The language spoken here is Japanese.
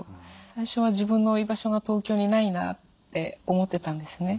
最初は自分の居場所が東京にないなって思ってたんですね。